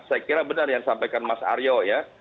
saya kira benar yang disampaikan mas aryo ya